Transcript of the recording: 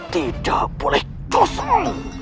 tidak boleh dosa